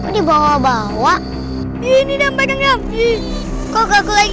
dibawa bawa ini dan badan ngampil kok aku lagi